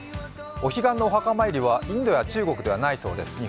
お彼岸のお墓参りはインドや中国ではないそうです。